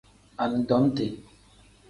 Anidomiti.